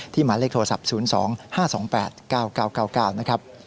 หมายเลขโทรศัพท์๐๒๕๒๘๙๙๙๙๙นะครับ